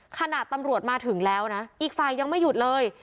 ขนาดตำรวจมาถึงแล้วนะอีกฝ่ายยังไม่หยุดเลย